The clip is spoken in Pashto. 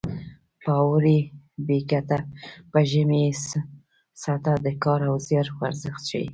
په اوړي یې ګټه په ژمي یې څټه د کار او زیار ارزښت ښيي